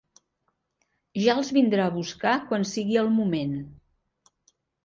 Ja els vindrà a buscar quan sigui el moment.